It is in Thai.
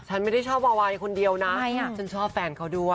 ฉันไม่ได้ชอบวาวายคนเดียวนะฉันชอบแฟนเขาด้วย